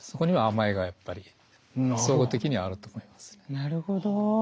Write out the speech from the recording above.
なるほど。